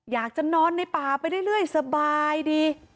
อยากจะนอนในป่าไปเรื่อยสบายดี